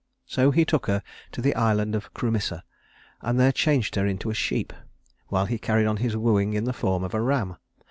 So he took her to the island of Crumissa, and there changed her into a sheep, while he carried on his wooing in the form of a ram.